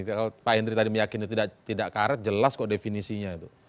kalau pak henry tadi meyakini tidak karet jelas kok definisinya itu